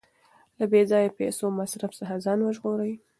له بې ځایه پیسو مصرف څخه ځان وژغورئ.